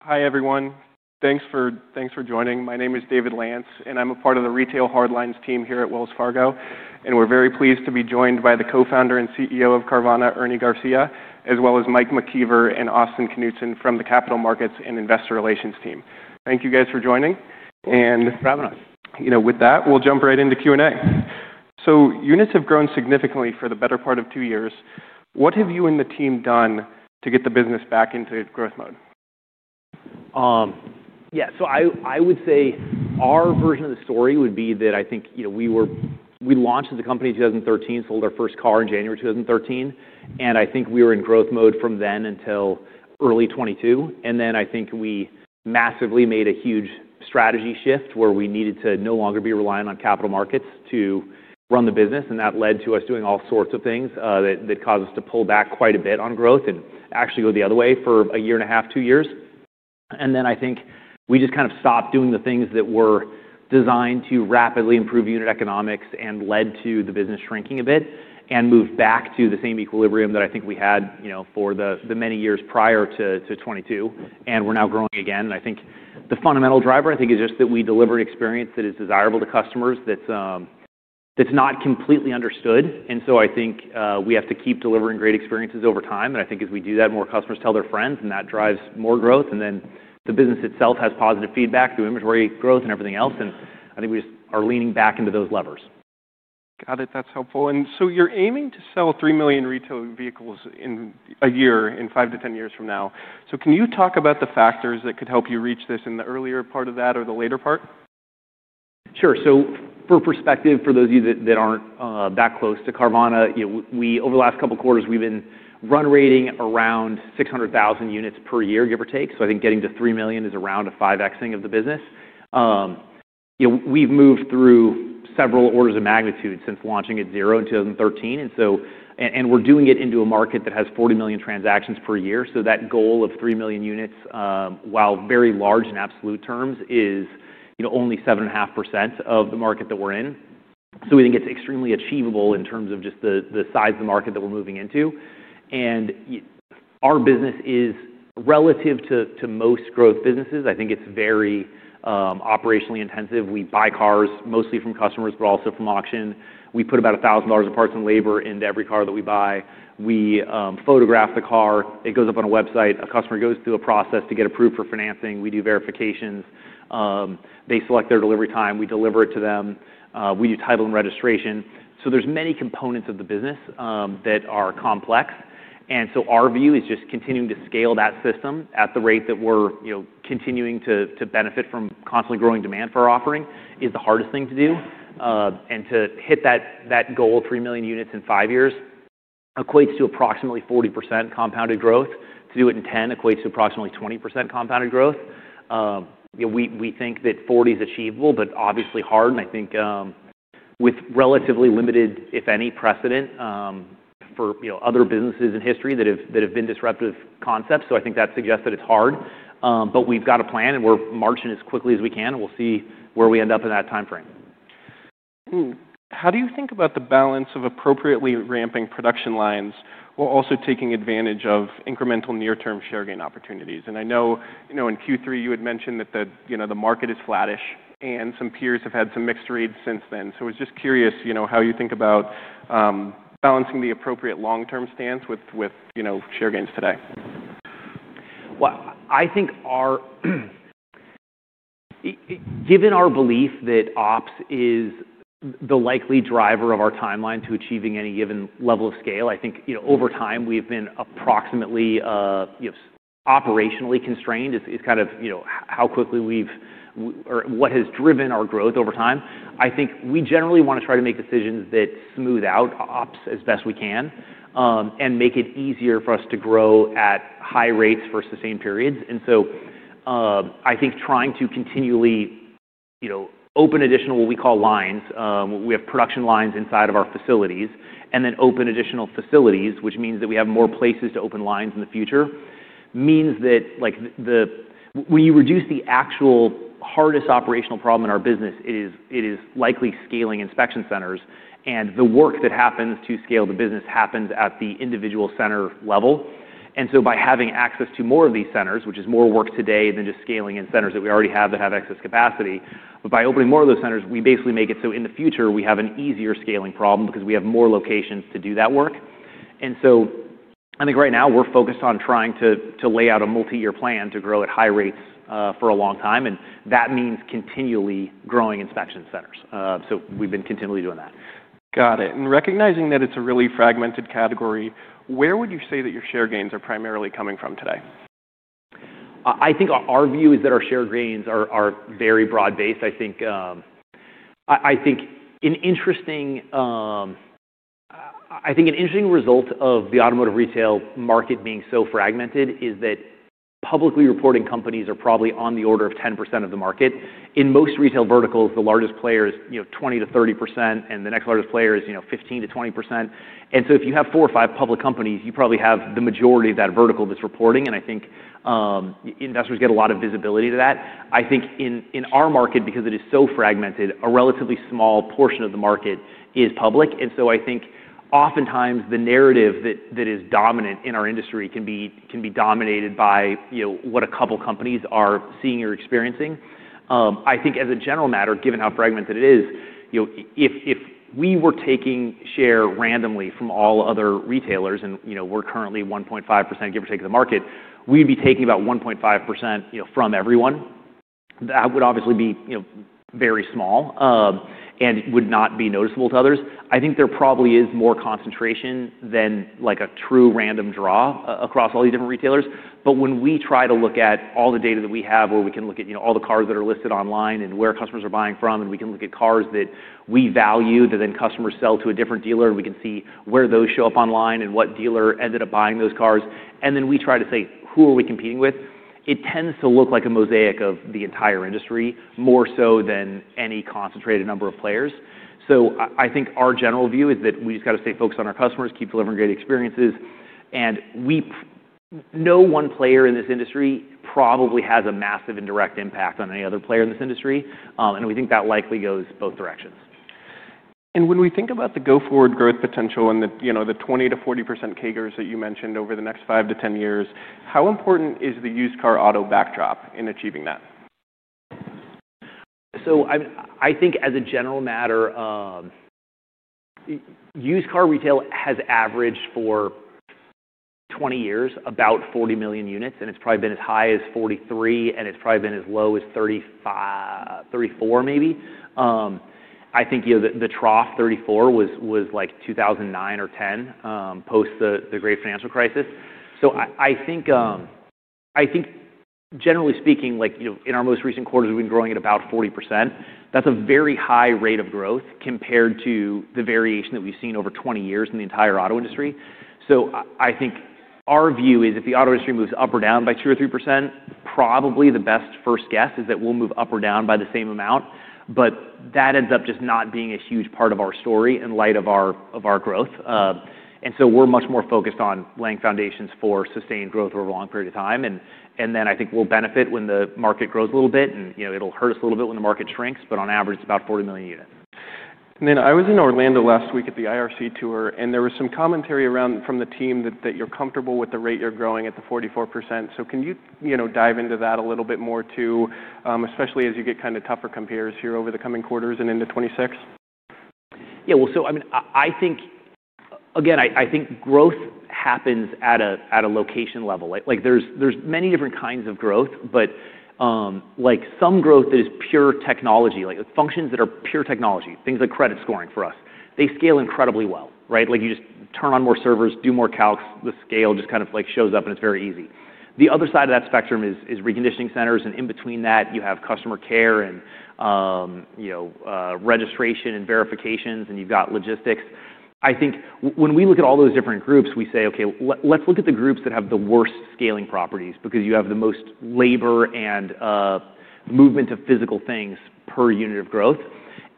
Hi everyone. Thanks for, thanks for joining. My name is David Lance, and I'm a part of the Retail Hardlines team here at Wells Fargo. We're very pleased to be joined by the co-founder and CEO of Carvana, Ernie Garcia, as well as Mike McKeever and Austin Knutson from the Capital Markets and Investor Relations team. Thank you guys for joining. Thanks for having us. You know, with that, we'll jump right into Q&A. Units have grown significantly for the better part of two years. What have you and the team done to get the business back into growth mode? Yeah, so I would say our version of the story would be that I think, you know, we launched as a company in 2013, sold our first car in January 2013. I think we were in growth mode from then until early 2022. I think we massively made a huge strategy shift where we needed to no longer be reliant on capital markets to run the business. That led to us doing all sorts of things that caused us to pull back quite a bit on growth and actually go the other way for a year and a half, two years. I think we just kind of stopped doing the things that were designed to rapidly improve unit economics and led to the business shrinking a bit and moved back to the same equilibrium that I think we had, you know, for the many years prior to 2022. We are now growing again. I think the fundamental driver is just that we deliver an experience that is desirable to customers that is not completely understood. I think we have to keep delivering great experiences over time. I think as we do that, more customers tell their friends, and that drives more growth. The business itself has positive feedback through inventory growth and everything else. I think we just are leaning back into those levers. Got it. That's helpful. You're aiming to sell 3 million retail vehicles in a year in 5 years-10 years from now. Can you talk about the factors that could help you reach this in the earlier part of that or the later part? Sure. For perspective, for those of you that aren't that close to Carvana, you know, over the last couple quarters, we've been run rating around 600,000 units per year, give or take. I think getting to 3 million is around a 5Xing of the business. You know, we've moved through several orders of magnitude since launching at zero in 2013. We're doing it into a market that has 40 million transactions per year. That goal of 3 million units, while very large in absolute terms, is only 7.5% of the market that we're in. We think it's extremely achievable in terms of just the size of the market that we're moving into. Our business is, relative to most growth businesses, I think it's very operationally intensive. We buy cars mostly from customers, but also from auction. We put about $1,000 of parts and labor into every car that we buy. We photograph the car. It goes up on a website. A customer goes through a process to get approved for financing. We do verifications. They select their delivery time. We deliver it to them. We do title and registration. There are many components of the business that are complex. Our view is just continuing to scale that system at the rate that we're, you know, continuing to benefit from constantly growing demand for our offering is the hardest thing to do. To hit that goal of 3 million units in 5 years equates to approximately 40% compounded growth. To do it in 10 equates to approximately 20% compounded growth. You know, we think that 40% is achievable, but obviously hard. I think, with relatively limited, if any, precedent for, you know, other businesses in history that have been disruptive concepts. I think that suggests that it's hard. We have got a plan, and we're marching as quickly as we can. We will see where we end up in that time frame. How do you think about the balance of appropriately ramping production lines while also taking advantage of incremental near-term share gain opportunities? I know, you know, in Q3 you had mentioned that the, you know, the market is flattish, and some peers have had some mixed reads since then. I was just curious, you know, how you think about balancing the appropriate long-term stance with, with, you know, share gains today. I think our, given our belief that ops is the likely driver of our timeline to achieving any given level of scale, I think, you know, over time we've been approximately, you know, operationally constrained is kind of, you know, how quickly we've, or what has driven our growth over time. I think we generally want to try to make decisions that smooth out ops as best we can, and make it easier for us to grow at high rates for sustained periods. I think trying to continually, you know, open additional, what we call lines, we have production lines inside of our facilities and then open additional facilities, which means that we have more places to open lines in the future, means that, like, when you reduce the actual hardest operational problem in our business, it is likely scaling inspection centers. The work that happens to scale the business happens at the individual center level. By having access to more of these centers, which is more work today than just scaling in centers that we already have that have excess capacity, but by opening more of those centers, we basically make it so in the future we have an easier scaling problem because we have more locations to do that work. I think right now we're focused on trying to, to lay out a multi-year plan to grow at high rates, for a long time. That means continually growing inspection centers. We've been continually doing that. Got it. Recognizing that it's a really fragmented category, where would you say that your share gains are primarily coming from today? I think our view is that our share gains are very broad-based. I think an interesting result of the automotive retail market being so fragmented is that publicly reporting companies are probably on the order of 10% of the market. In most retail verticals, the largest player is, you know, 20%-30%, and the next largest player is, you know, 15%-20%. If you have four or five public companies, you probably have the majority of that vertical that is reporting. I think investors get a lot of visibility to that. I think in our market, because it is so fragmented, a relatively small portion of the market is public. I think oftentimes the narrative that is dominant in our industry can be dominated by, you know, what a couple companies are seeing or experiencing. I think as a general matter, given how fragmented it is, you know, if we were taking share randomly from all other retailers and, you know, we're currently 1.5%, give or take, of the market, we'd be taking about 1.5% from everyone. That would obviously be, you know, very small, and would not be noticeable to others. I think there probably is more concentration than like a true random draw, across all these different retailers. When we try to look at all the data that we have, where we can look at, you know, all the cars that are listed online and where customers are buying from, and we can look at cars that we value that then customers sell to a different dealer, and we can see where those show up online and what dealer ended up buying those cars. We try to say, who are we competing with? It tends to look like a mosaic of the entire industry more so than any concentrated number of players. I think our general view is that we just got to stay focused on our customers, keep delivering great experiences. We know one player in this industry probably has a massive indirect impact on any other player in this industry, and we think that likely goes both directions. When we think about the go-forward growth potential and the, you know, the 20%-40% CAGR that you mentioned over the next 5 years-10 years, how important is the used car auto backdrop in achieving that? I think as a general matter, used car retail has averaged for 20 years about 40 million units, and it's probably been as high as 43, and it's probably been as low as 35, 34 maybe. I think, you know, the trough 34 was, was like 2009 or 2010, post the great financial crisis. I think generally speaking, like, you know, in our most recent quarters, we've been growing at about 40%. That's a very high rate of growth compared to the variation that we've seen over 20 years in the entire auto industry. I think our view is if the auto industry moves up or down by 2% or 3%, probably the best first guess is that we'll move up or down by the same amount. That ends up just not being a huge part of our story in light of our growth, and so we're much more focused on laying foundations for sustained growth over a long period of time. And then I think we'll benefit when the market grows a little bit, and, you know, it'll hurt us a little bit when the market shrinks. On average, it's about 40 million units. I was in Orlando last week at the IRC tour, and there was some commentary around from the team that you're comfortable with the rate you're growing at the 44%. Can you, you know, dive into that a little bit more too, especially as you get kind of tougher comparers here over the coming quarters and into 2026? Yeah. I mean, I think, again, I think growth happens at a location level. Like, there's many different kinds of growth, but, like, some growth that is pure technology, like functions that are pure technology, things like credit scoring for us, they scale incredibly well, right? Like, you just turn on more servers, do more calcs, the scale just kind of shows up, and it's very easy. The other side of that spectrum is reconditioning centers. And in between that, you have customer care and, you know, registration and verifications, and you've got logistics. I think when we look at all those different groups, we say, okay, let's look at the groups that have the worst scaling properties because you have the most labor and movement of physical things per unit of growth.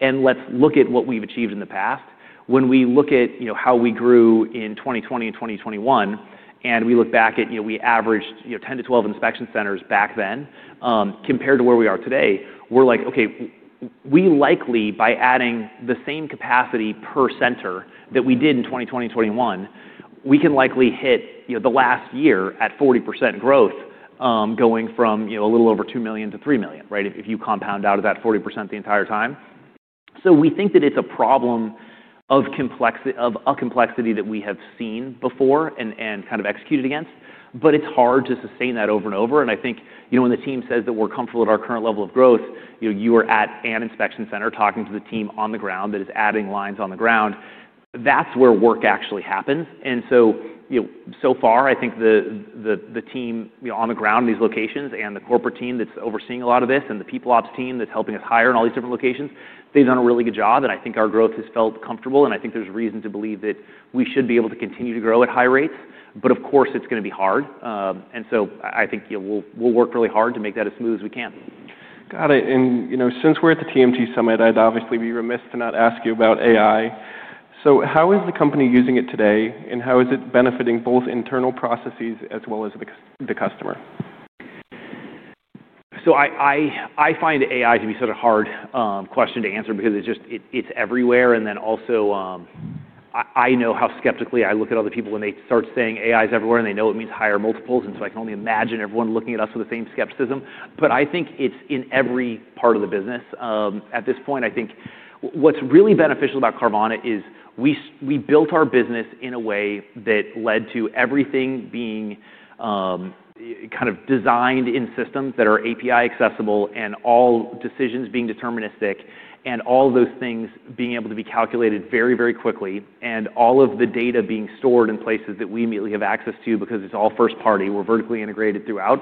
Let's look at what we've achieved in the past. When we look at, you know, how we grew in 2020 and 2021, and we look back at, you know, we averaged, you know, 10-12 inspection centers back then, compared to where we are today, we're like, okay, we likely, by adding the same capacity per center that we did in 2020 and 2021, we can likely hit, you know, the last year at 40% growth, going from, you know, a little over 2 million-3 million, right? If you compound out of that 40% the entire time. We think that it's a problem of complexity, of a complexity that we have seen before and kind of executed against. It's hard to sustain that over and over. I think, you know, when the team says that we're comfortable at our current level of growth, you are at an inspection center talking to the team on the ground that is adding lines on the ground. That's where work actually happens. So far, I think the team, you know, on the ground in these locations and the corporate team that's overseeing a lot of this and the people ops team that's helping us hire in all these different locations, they've done a really good job. I think our growth has felt comfortable. I think there's reason to believe that we should be able to continue to grow at high rates. Of course, it's going to be hard. I think, you know, we'll work really hard to make that as smooth as we can. Got it. And, you know, since we're at the TMT Summit, I'd obviously be remiss to not ask you about AI. So how is the company using it today, and how is it benefiting both internal processes as well as the customer? I find AI to be such a hard question to answer because it's just, it's everywhere. I know how skeptically I look at other people when they start saying AI is everywhere, and they know it means higher multiples. I can only imagine everyone looking at us with the same skepticism. I think it's in every part of the business at this point. I think what's really beneficial about Carvana is we built our business in a way that led to everything being kind of designed in systems that are API accessible and all decisions being deterministic and all of those things being able to be calculated very, very quickly and all of the data being stored in places that we immediately have access to because it's all first-party. We're vertically integrated throughout.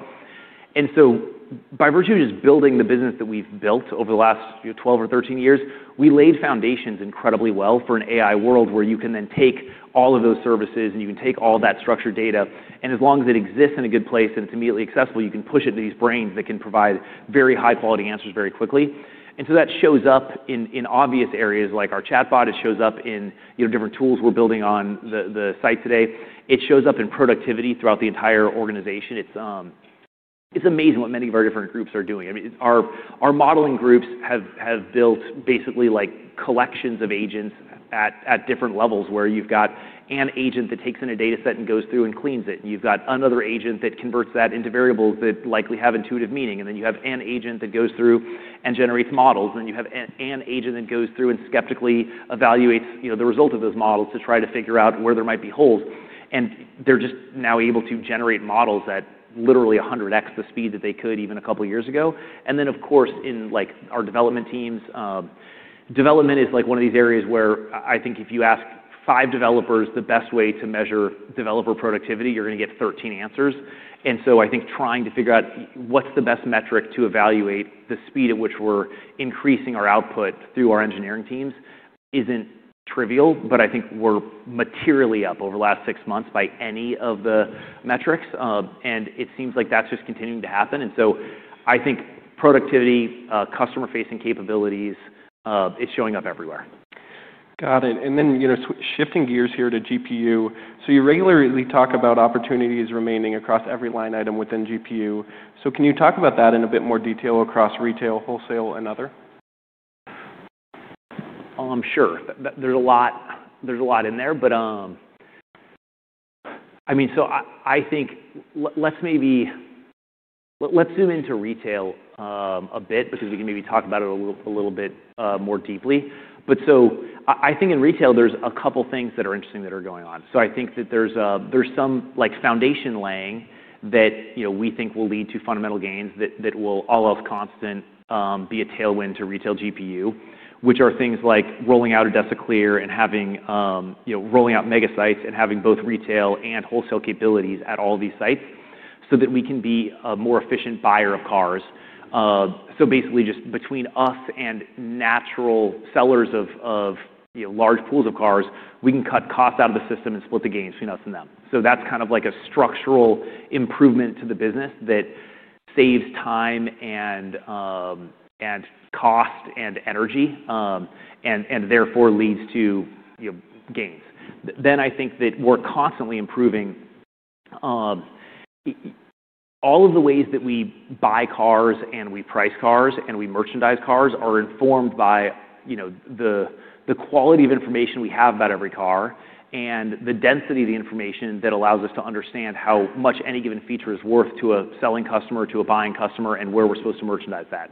By virtue of just building the business that we've built over the last, you know, 12 or 13 years, we laid foundations incredibly well for an AI world where you can then take all of those services, and you can take all that structured data. As long as it exists in a good place and it's immediately accessible, you can push it to these brains that can provide very high-quality answers very quickly. That shows up in, in obvious areas like our chatbot. It shows up in, you know, different tools we're building on the, the site today. It shows up in productivity throughout the entire organization. It's, it's amazing what many of our different groups are doing. I mean, our modeling groups have built basically like collections of agents at different levels where you've got an agent that takes in a data set and goes through and cleans it. And you've got another agent that converts that into variables that likely have intuitive meaning. And then you have an agent that goes through and generates models. And then you have an agent that goes through and skeptically evaluates, you know, the result of those models to try to figure out where there might be holes. And they're just now able to generate models at literally 100x the speed that they could even a couple of years ago. In like our development teams, development is like one of these areas where I think if you ask five developers the best way to measure developer productivity, you're going to get 13 answers. I think trying to figure out what's the best metric to evaluate the speed at which we're increasing our output through our engineering teams isn't trivial. I think we're materially up over the last six months by any of the metrics. It seems like that's just continuing to happen. I think productivity, customer-facing capabilities, is showing up everywhere. Got it. And then, you know, shifting gears here to GPU. So you regularly talk about opportunities remaining across every line item within GPU. So can you talk about that in a bit more detail across retail, wholesale, and other? Sure. There's a lot, there's a lot in there. I mean, I think let's maybe zoom into retail a bit because we can maybe talk about it a little, a little bit more deeply. I think in retail there's a couple things that are interesting that are going on. I think that there's some like foundation laying that, you know, we think will lead to fundamental gains that, all else constant, will be a tailwind to retail GPU, which are things like rolling out ADESAClear and having, you know, rolling out mega sites and having both retail and wholesale capabilities at all these sites so that we can be a more efficient buyer of cars. Basically, just between us and natural sellers of, you know, large pools of cars, we can cut costs out of the system and split the gains between us and them. That is kind of like a structural improvement to the business that saves time and cost and energy, and therefore leads to, you know, gains. I think that we are constantly improving. All of the ways that we buy cars and we price cars and we merchandise cars are informed by, you know, the quality of information we have about every car and the density of the information that allows us to understand how much any given feature is worth to a selling customer, to a buying customer, and where we are supposed to merchandise that.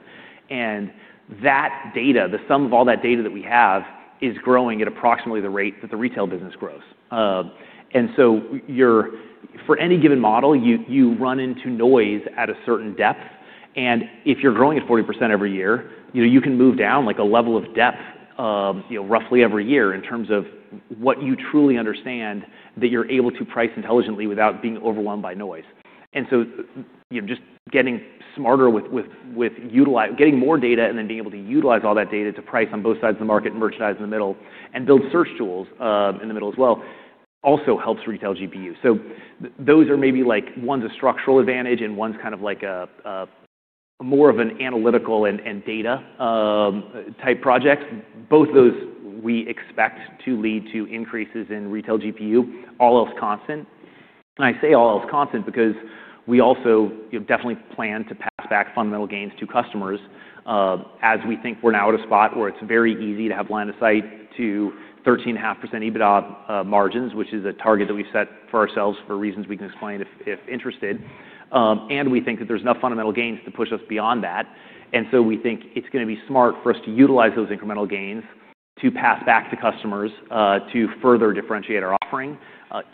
That data, the sum of all that data that we have is growing at approximately the rate that the retail business grows. For any given model, you run into noise at a certain depth. If you're growing at 40% every year, you can move down like a level of depth roughly every year in terms of what you truly understand that you're able to price intelligently without being overwhelmed by noise. Just getting smarter with getting more data and then being able to utilize all that data to price on both sides of the market and merchandise in the middle and build search tools in the middle as well also helps retail GPU. Those are maybe like one's a structural advantage and one's kind of like a, a more of an analytical and, and data, type projects. Both those we expect to lead to increases in retail GPU, all else constant. I say all else constant because we also, you know, definitely plan to pass back fundamental gains to customers, as we think we're now at a spot where it's very easy to have line of sight to 13.5% EBITDA margins, which is a target that we've set for ourselves for reasons we can explain if, if interested. We think that there's enough fundamental gains to push us beyond that. We think it is going to be smart for us to utilize those incremental gains to pass back to customers, to further differentiate our offering,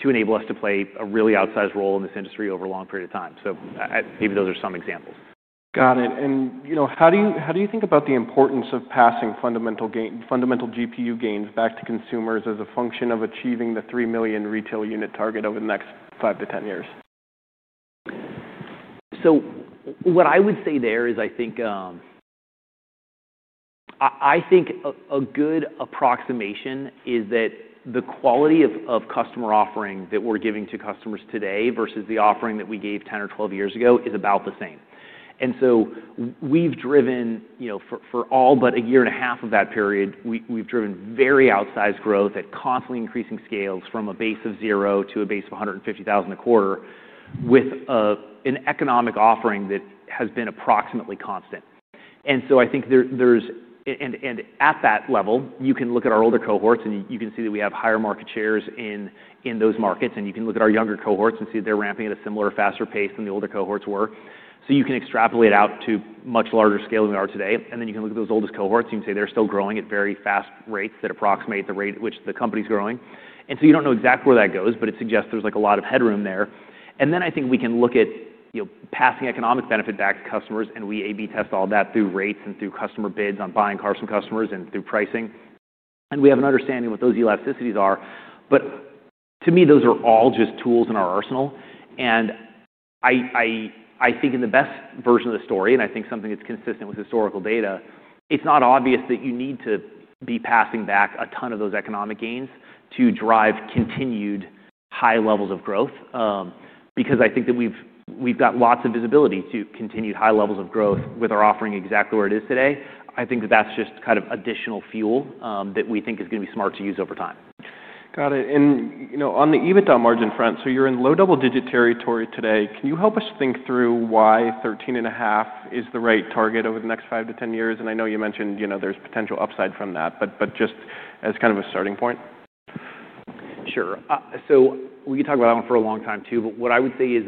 to enable us to play a really outsized role in this industry over a long period of time. I, I maybe those are some examples. Got it. You know, how do you, how do you think about the importance of passing fundamental GPU gains back to consumers as a function of achieving the 3 million retail unit target over the next 5 years-10 years? What I would say there is I think a good approximation is that the quality of customer offering that we're giving to customers today versus the offering that we gave 10 or 12 years ago is about the same. We've driven, you know, for all but a year and a half of that period, we've driven very outsized growth at constantly increasing scales from a base of 0 to a base of 150,000 a quarter with an economic offering that has been approximately constant. I think there is, at that level, you can look at our older cohorts, and you can see that we have higher market shares in those markets. You can look at our younger cohorts and see that they're ramping at a similar faster pace than the older cohorts were. You can extrapolate out to much larger scale than we are today. You can look at those oldest cohorts and you can say they're still growing at very fast rates that approximate the rate at which the company's growing. You do not know exactly where that goes, but it suggests there's a lot of headroom there. I think we can look at, you know, passing economic benefit back to customers. We A/B test all that through rates and through customer bids on buying cars from customers and through pricing. We have an understanding of what those elasticities are. To me, those are all just tools in our arsenal. I think in the best version of the story, and I think something that's consistent with historical data, it's not obvious that you need to be passing back a ton of those economic gains to drive continued high levels of growth. I think that we've got lots of visibility to continued high levels of growth with our offering exactly where it is today. I think that that's just kind of additional fuel, that we think is going to be smart to use over time. Got it. And, you know, on the EBITDA margin front, so you're in low double-digit territory today. Can you help us think through why 13.5% is the right target over the next 5 years-10 years? And I know you mentioned, you know, there's potential upside from that, but, but just as kind of a starting point. Sure. We could talk about that one for a long time too. What I would say is,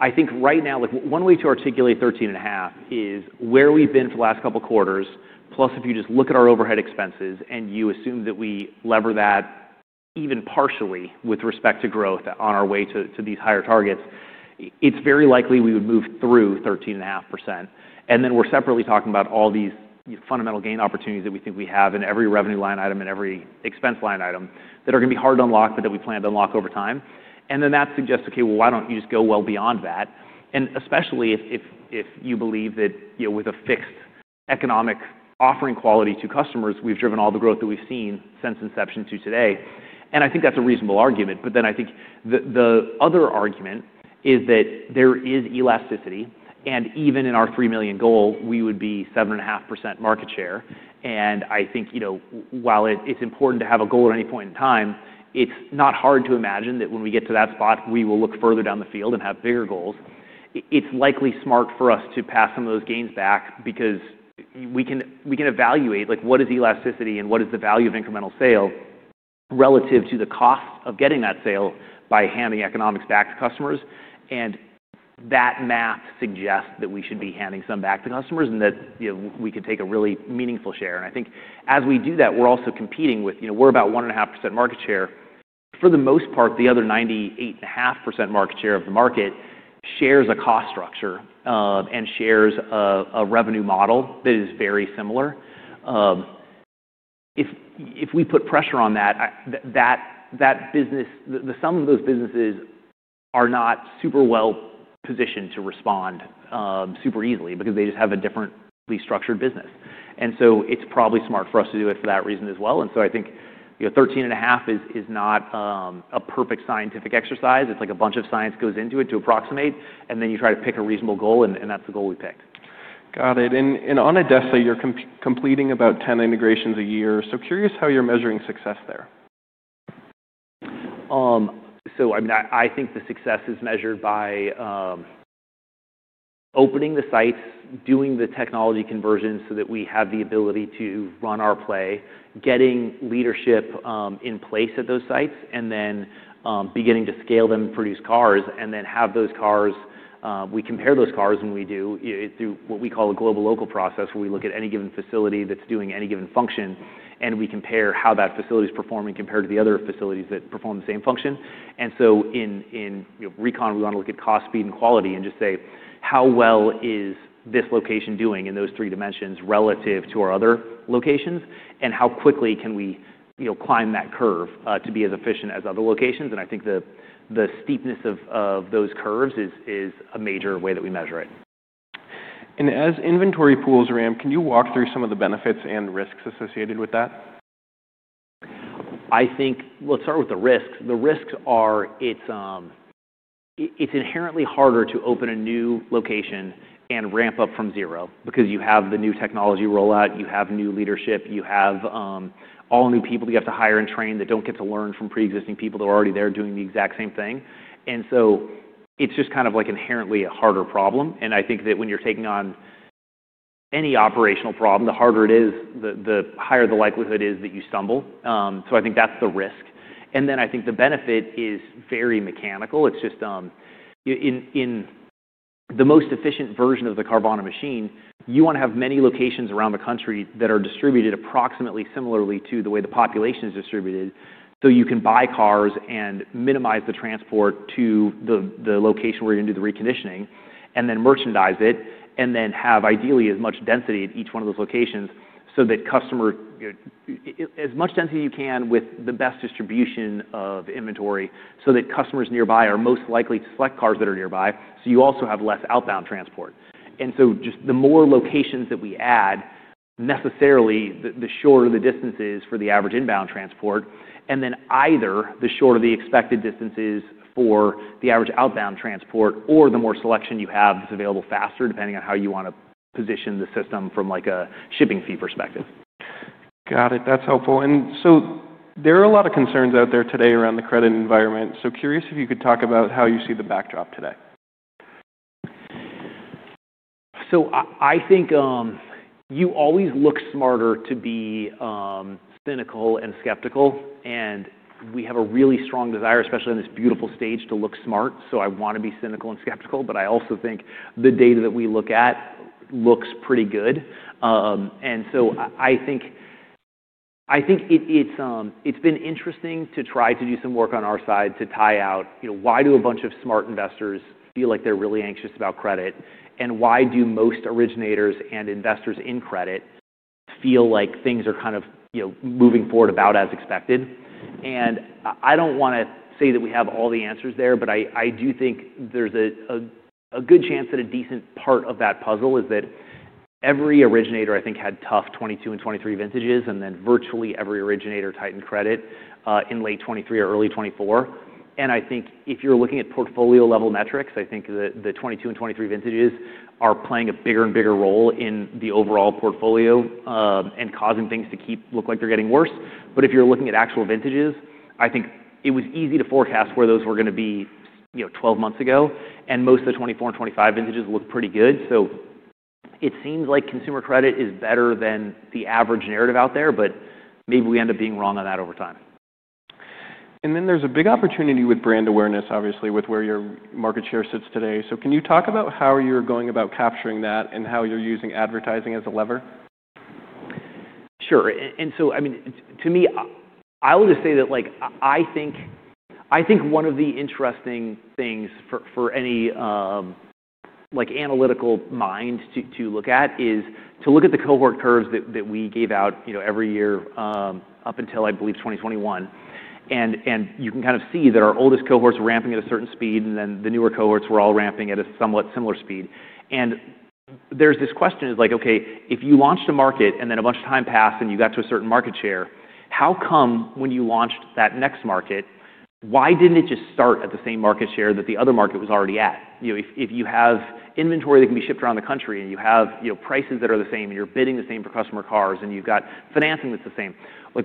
I think right now, like one way to articulate 13.5% is where we've been for the last couple of quarters, plus if you just look at our overhead expenses and you assume that we lever that even partially with respect to growth on our way to these higher targets, it's very likely we would move through 13.5%. We are separately talking about all these fundamental gain opportunities that we think we have in every revenue line item and every expense line item that are going to be hard to unlock but that we plan to unlock over time. That suggests, okay, why don't you just go well beyond that? If you believe that, you know, with a fixed economic offering quality to customers, we have driven all the growth that we have seen since inception to today. I think that is a reasonable argument. I think the other argument is that there is elasticity. Even in our 3 million goal, we would be at 7.5% market share. I think, you know, while it is important to have a goal at any point in time, it is not hard to imagine that when we get to that spot, we will look further down the field and have bigger goals. It is likely smart for us to pass some of those gains back because we can evaluate what is elasticity and what is the value of incremental sale relative to the cost of getting that sale by handing economics back to customers. That math suggests that we should be handing some back to customers and that, you know, we could take a really meaningful share. I think as we do that, we are also competing with, you know, we are about 1.5% market share. For the most part, the other 98.5% market share of the market shares a cost structure, and shares a revenue model that is very similar. If we put pressure on that business, the sum of those businesses are not super well positioned to respond super easily because they just have a differently structured business. It is probably smart for us to do it for that reason as well. I think, you know, 13.5% is not a perfect scientific exercise. It's like a bunch of science goes into it to approximate, and then you try to pick a reasonable goal, and that's the goal we picked. Got it. And on ADESA, you're completing about 10 integrations a year. So curious how you're measuring success there. I mean, I think the success is measured by opening the sites, doing the technology conversion so that we have the ability to run our play, getting leadership in place at those sites, and then beginning to scale them and produce cars and then have those cars, we compare those cars when we do, you know, through what we call a global local process where we look at any given facility that's doing any given function, and we compare how that facility's performing compared to the other facilities that perform the same function. In, you know, recon, we want to look at cost, speed, and quality and just say, how well is this location doing in those three dimensions relative to our other locations? How quickly can we, you know, climb that curve to be as efficient as other locations? I think the steepness of those curves is a major way that we measure it. As inventory pools ramp, can you walk through some of the benefits and risks associated with that? I think let's start with the risks. The risks are, it's inherently harder to open a new location and ramp up from zero because you have the new technology rollout, you have new leadership, you have all new people that you have to hire and train that do not get to learn from pre-existing people that are already there doing the exact same thing. It is just kind of inherently a harder problem. I think that when you're taking on any operational problem, the harder it is, the higher the likelihood is that you stumble. I think that's the risk. I think the benefit is very mechanical. It's just, you know, in the most efficient version of the Carvana machine, you want to have many locations around the country that are distributed approximately similarly to the way the population is distributed so you can buy cars and minimize the transport to the location where you're going to do the reconditioning and then merchandise it and then have ideally as much density at each one of those locations so that customer, you know, as much density as you can with the best distribution of inventory so that customers nearby are most likely to select cars that are nearby. You also have less outbound transport. The more locations that we add, necessarily the shorter the distances for the average inbound transport, and then either the shorter the expected distances for the average outbound transport or the more selection you have that's available faster depending on how you want to position the system from like a shipping fee perspective. Got it. That's helpful. There are a lot of concerns out there today around the credit environment. Curious if you could talk about how you see the backdrop today. I think you always look smarter to be cynical and skeptical. We have a really strong desire, especially on this beautiful stage, to look smart. I want to be cynical and skeptical. I also think the data that we look at looks pretty good. I think it has been interesting to try to do some work on our side to tie out, you know, why do a bunch of smart investors feel like they're really anxious about credit? Why do most originators and investors in credit feel like things are kind of, you know, moving forward about as expected? I do not want to say that we have all the answers there, but I do think there is a good chance that a decent part of that puzzle is that every originator, I think, had tough 2022 and 2023 vintages and then virtually every originator tightened credit in late 2023 or early 2024. I think if you are looking at portfolio level metrics, the 2022 and 2023 vintages are playing a bigger and bigger role in the overall portfolio, and causing things to keep looking like they are getting worse. If you are looking at actual vintages, I think it was easy to forecast where those were going to be, you know, 12 months ago. Most of the 2024 and 2025 vintages look pretty good. It seems like consumer credit is better than the average narrative out there, but maybe we end up being wrong on that over time. There is a big opportunity with brand awareness, obviously, with where your market share sits today. Can you talk about how you're going about capturing that and how you're using advertising as a lever? Sure. I mean, to me, I will just say that, like, I think one of the interesting things for any, like, analytical mind to look at is to look at the cohort curves that we gave out, you know, every year, up until, I believe, 2021. You can kind of see that our oldest cohorts were ramping at a certain speed, and then the newer cohorts were all ramping at a somewhat similar speed. There is this question, like, okay, if you launched a market and then a bunch of time passed and you got to a certain market share, how come when you launched that next market, why did it not just start at the same market share that the other market was already at? You know, if you have inventory that can be shipped around the country and you have, you know, prices that are the same and you're bidding the same for customer cars and you've got financing that's the same, like,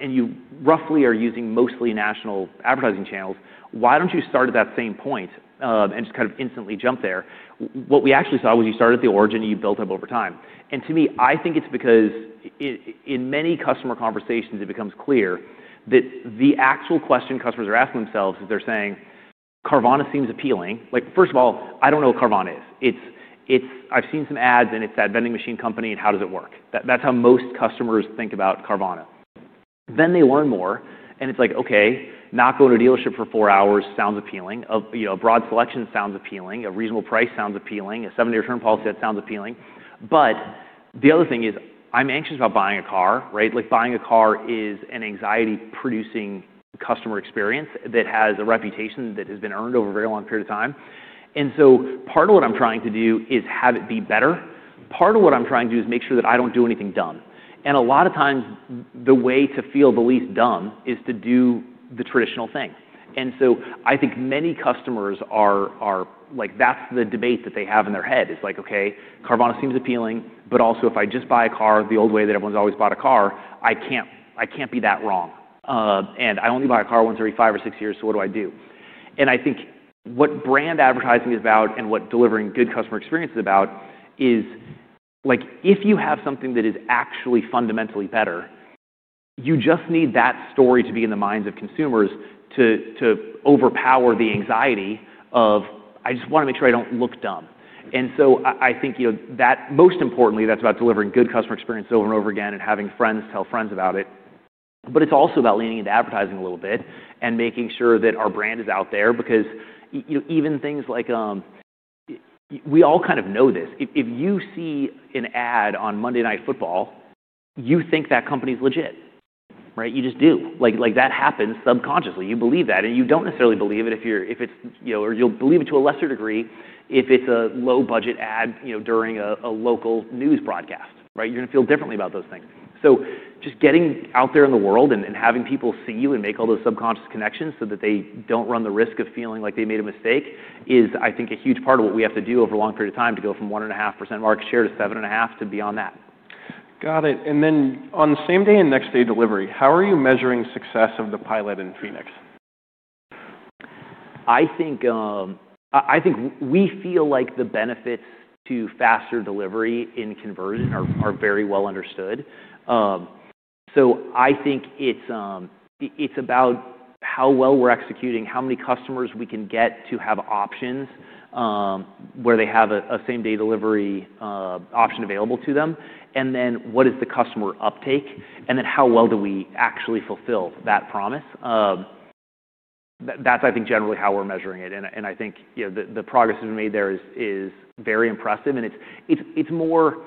and you roughly are using mostly national advertising channels, why don't you start at that same point, and just kind of instantly jump there? What we actually saw was you start at the origin and you build up over time. To me, I think it's because in many customer conversations, it becomes clear that the actual question customers are asking themselves is they're saying, "Carvana seems appealing." Like, first of all, I don't know what Carvana is. It's, it's, I've seen some ads and it's that vending machine company and how does it work? That's how most customers think about Carvana. They learn more and it's like, okay, not going to a dealership for four hours sounds appealing. A broad selection sounds appealing. A reasonable price sounds appealing. A seven-year return policy, that sounds appealing. The other thing is I'm anxious about buying a car, right? Like buying a car is an anxiety-producing customer experience that has a reputation that has been earned over a very long period of time. Part of what I'm trying to do is have it be better. Part of what I'm trying to do is make sure that I don't do anything dumb. A lot of times the way to feel the least dumb is to do the traditional thing. I think many customers are like, that's the debate that they have in their head, is like, okay, Carvana seems appealing, but also if I just buy a car the old way that everyone's always bought a car, I can't be that wrong. I only buy a car once every five or six years, so what do I do? I think what brand advertising is about and what delivering good customer experience is about is like, if you have something that is actually fundamentally better, you just need that story to be in the minds of consumers to overpower the anxiety of, "I just want to make sure I don't look dumb." I think, you know, that most importantly, that's about delivering good customer experience over and over again and having friends tell friends about it. It's also about leaning into advertising a little bit and making sure that our brand is out there because, you know, even things like, we all kind of know this. If you see an ad on Monday Night Football, you think that company's legit, right? You just do. Like, that happens subconsciously. You believe that and you don't necessarily believe it if it's, you know, or you'll believe it to a lesser degree if it's a low-budget ad, you know, during a local news broadcast, right? You're going to feel differently about those things. Just getting out there in the world and having people see you and make all those subconscious connections so that they do not run the risk of feeling like they made a mistake is, I think, a huge part of what we have to do over a long period of time to go from 1.5% market share to 7.5% to beyond that. Got it. And then on same-day and next-day delivery, how are you measuring success of the Pilot in Phoenix? I think we feel like the benefits to faster delivery in conversion are very well understood. I think it's about how well we're executing, how many customers we can get to have options, where they have a same-day delivery option available to them. And then what is the customer uptake? And then how well do we actually fulfill that promise? That's, I think, generally how we're measuring it. I think, you know, the progress we've made there is very impressive. It's more,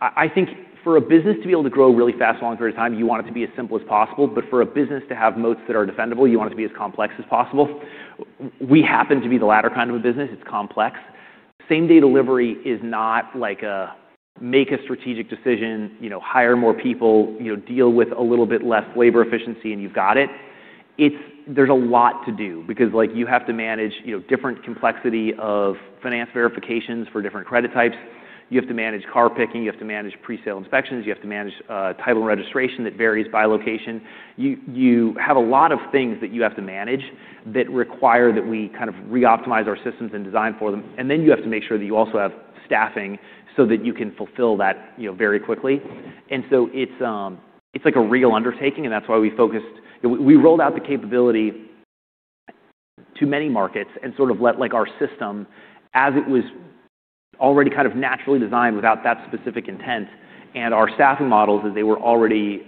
I think for a business to be able to grow really fast for a long period of time, you want it to be as simple as possible. For a business to have moats that are defendable, you want it to be as complex as possible. We happen to be the latter kind of a business. It's complex. Same-day delivery is not like a make a strategic decision, you know, hire more people, you know, deal with a little bit less labor efficiency and you've got it. There's a lot to do because, like, you have to manage, you know, different complexity of finance verifications for different credit types. You have to manage car picking. You have to manage presale inspections. You have to manage title and registration that varies by location. You have a lot of things that you have to manage that require that we kind of reoptimize our systems and design for them. You have to make sure that you also have staffing so that you can fulfill that, you know, very quickly. It's like a real undertaking. That's why we focused, you know, we rolled out the capability to many markets and sort of let like our system, as it was already kind of naturally designed without that specific intent. Our staffing models, as they were already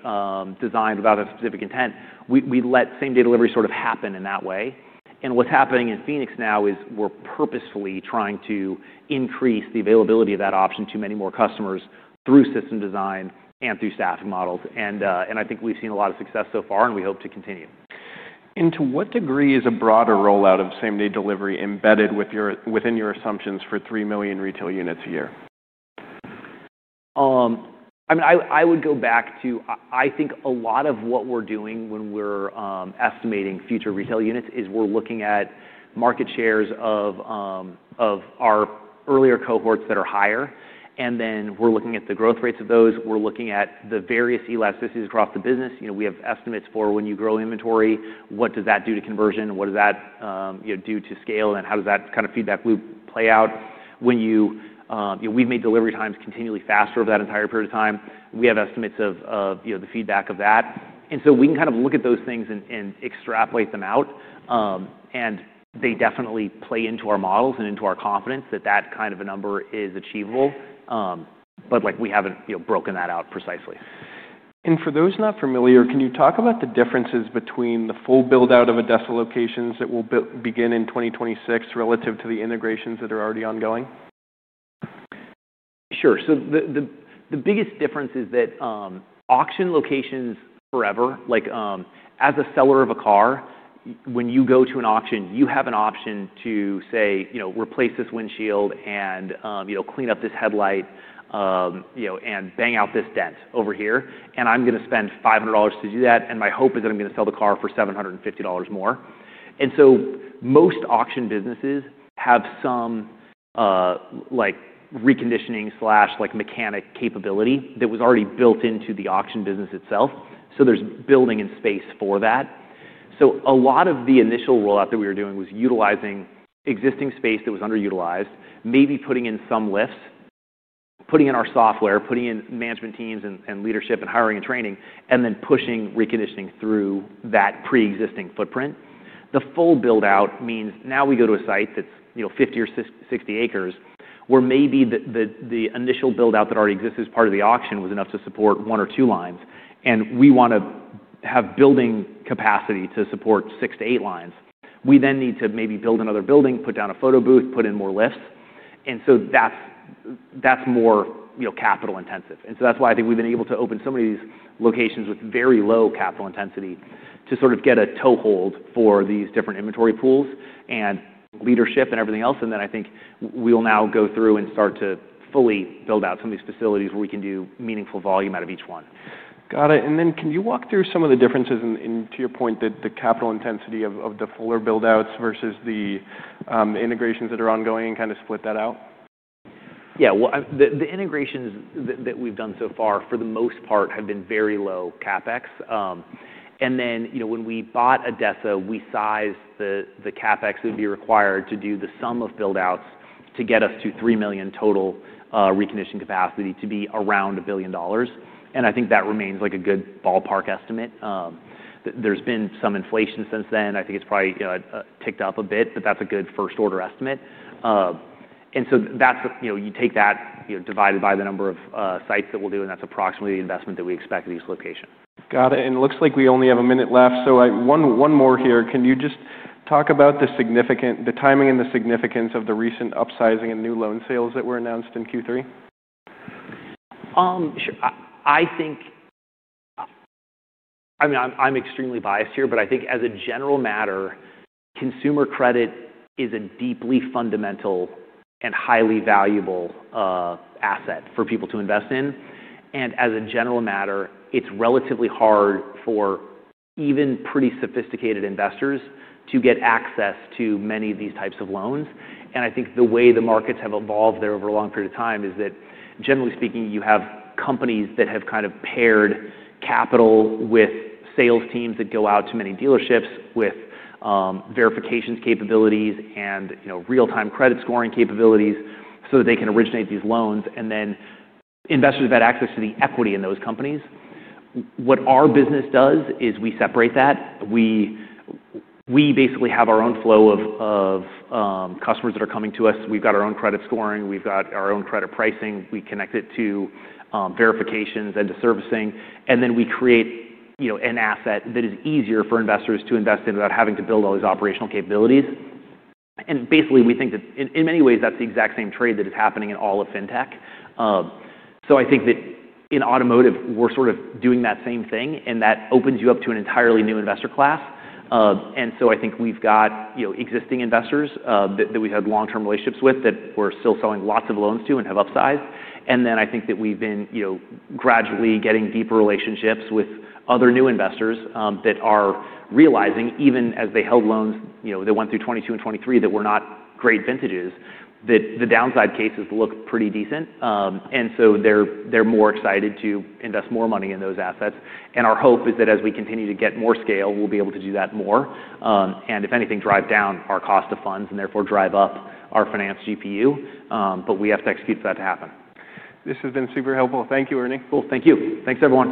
designed without a specific intent, we let same-day delivery sort of happen in that way. What's happening in Phoenix now is we're purposefully trying to increase the availability of that option to many more customers through system design and through staffing models. I think we've seen a lot of success so far and we hope to continue. To what degree is a broader rollout of same-day delivery embedded within your assumptions for 3 million retail units a year? I mean, I would go back to, I think a lot of what we're doing when we're estimating future retail units is we're looking at market shares of our earlier cohorts that are higher. Then we're looking at the growth rates of those. We're looking at the various elasticities across the business. You know, we have estimates for when you grow inventory, what does that do to conversion? What does that do to scale? How does that kind of feedback loop play out when you, you know, we've made delivery times continually faster over that entire period of time? We have estimates of, you know, the feedback of that. We can kind of look at those things and extrapolate them out. And they definitely play into our models and into our confidence that that kind of a number is achievable. But like we haven't, you know, broken that out precisely. For those not familiar, can you talk about the differences between the full build-out of ADESA locations that will begin in 2026 relative to the integrations that are already ongoing? Sure. The biggest difference is that auction locations forever, like, as a seller of a car, when you go to an auction, you have an option to say, you know, replace this windshield and, you know, clean up this headlight, you know, and bang out this dent over here. I'm going to spend $500 to do that. My hope is that I'm going to sell the car for $750 more. Most auction businesses have some, like reconditioning slash like mechanic capability that was already built into the auction business itself. There's building in space for that. A lot of the initial rollout that we were doing was utilizing existing space that was underutilized, maybe putting in some lifts, putting in our software, putting in management teams and leadership and hiring and training, and then pushing reconditioning through that pre-existing footprint. The full build-out means now we go to a site that's, you know, 50 or 60 acres where maybe the initial build-out that already exists as part of the auction was enough to support one or two lines. We want to have building capacity to support 6-8 lines. We then need to maybe build another building, put down a photo booth, put in more lifts. That's more, you know, capital intensive. That's why I think we've been able to open so many of these locations with very low capital intensity to sort of get a toehold for these different inventory pools and leadership and everything else. I think we'll now go through and start to fully build out some of these facilities where we can do meaningful volume out of each one. Got it. Can you walk through some of the differences and, to your point, the capital intensity of the fuller build-outs versus the integrations that are ongoing and kind of split that out? Yeah. The integrations that we have done so far for the most part have been very low CapEx. And then, you know, when we bought ADESA, we sized the CapEx that would be required to do the sum of build-outs to get us to 3 million total reconditioning capacity to be around $1 billion. I think that remains a good ballpark estimate. There has been some inflation since then. I think it has probably ticked up a bit, but that is a good first-order estimate. You take that, you know, divided by the number of sites that we will do, and that is approximately the investment that we expect at each location. Got it. It looks like we only have a minute left. I have one more here. Can you just talk about the timing and the significance of the recent upsizing and new loan sales that were announced in Q3? Sure. I think, I mean, I'm extremely biased here, but I think as a general matter, consumer credit is a deeply fundamental and highly valuable asset for people to invest in. As a general matter, it's relatively hard for even pretty sophisticated investors to get access to many of these types of loans. I think the way the markets have evolved there over a long period of time is that, generally speaking, you have companies that have kind of paired capital with sales teams that go out to many dealerships with verifications capabilities and, you know, real-time credit scoring capabilities so that they can originate these loans. Then investors have had access to the equity in those companies. What our business does is we separate that. We basically have our own flow of customers that are coming to us. We've got our own credit scoring. We've got our own credit pricing. We connect it to verifications and to servicing. Then we create, you know, an asset that is easier for investors to invest in without having to build all these operational capabilities. Basically, we think that in many ways, that's the exact same trade that is happening in all of FinTech. I think that in automotive, we're sort of doing that same thing and that opens you up to an entirely new investor class. I think we've got, you know, existing investors that we've had long-term relationships with that we're still selling lots of loans to and have upsized. I think that we've been, you know, gradually getting deeper relationships with other new investors that are realizing even as they held loans, you know, they went through 2022 and 2023 that were not great vintages, that the downside cases look pretty decent. They are more excited to invest more money in those assets. Our hope is that as we continue to get more scale, we'll be able to do that more, and if anything, drive down our cost of funds and therefore drive up our finance GPU. We have to execute for that to happen. This has been super helpful. Thank you, Ernie. Thank you. Thanks, everyone.